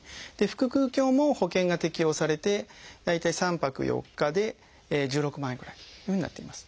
腹腔鏡も保険が適用されて大体３泊４日で１６万円ぐらいというふうになっています。